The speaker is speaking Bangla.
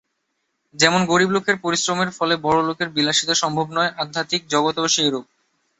যেমন গরীব লোকের পরিশ্রমের ফলে বড় লোকের বিলাসিতা সম্ভব হয়, আধ্যাত্মিক জগতেও সেইরূপ।